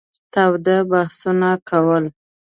تاوده بحثونه کول.